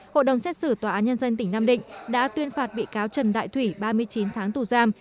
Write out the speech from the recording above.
hội đồng xét xử tòa án nhân dân tỉnh nam định đã tuyên phạt bị cáo trần đại thủy ba mươi chín tháng tù giam